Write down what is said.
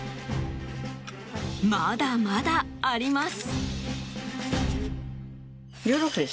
まだまだあります。